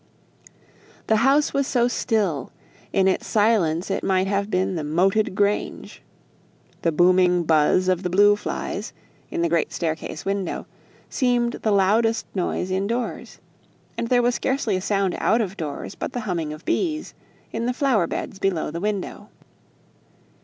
The house was so still, in its silence it might have been the "moated grange;" the booming buzz of the blue flies, in the great staircase window, seemed the loudest noise in doors. And there was scarcely a sound out of doors but the humming of bees, in the flower beds below the window.